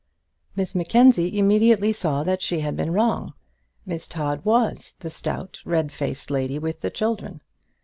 Miss Mackenzie immediately saw that she had been wrong. Miss Todd was the stout, red faced lady with the children.